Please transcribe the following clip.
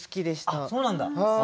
あっそうなんだ。